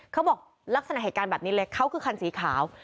เขาบอกลักษณะเหตุการณ์แบบนี้เลยเขาคือคันสีขาว